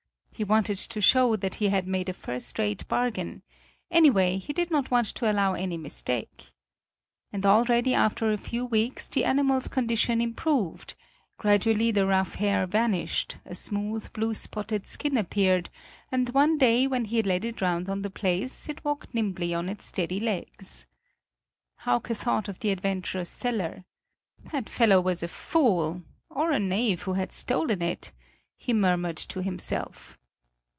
He wanted to show that he had made a first rate bargain; anyway, he did not want to allow any mistake. And already after a few weeks the animal's condition improved: gradually the rough hair vanished; a smooth, blue spotted skin appeared, and one day when he led it round on the place, it walked nimbly on its steady legs. Hauke thought of the adventurous seller. "That fellow was a fool, or a knave who had stolen it," he murmured to himself.